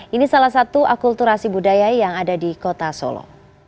ini salah satu akulturasi budaya yang ada di kota solo